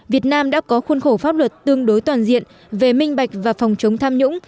việt nam đã có khuôn khổ pháp luật tương đối toàn diện về minh bạch và phòng chống tham nhũng